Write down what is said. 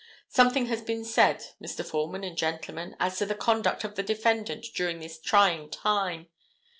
Something has been said, Mr. Foreman and gentlemen, as to the conduct of the defendant during this trying time.